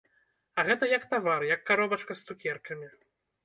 А гэта як тавар, як каробачка з цукеркамі.